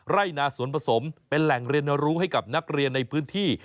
ไร่นาสวนผสมเป็นแหล่งเรียนรู้ให้กับนักเรียนในพื้นที่